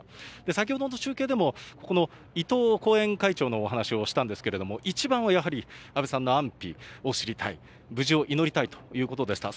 先ほどの中継でも、いとう後援会長のお話をしたんですけれども、一番はやはり、安倍さんの安否を知りたい、無事を祈りたいということでした。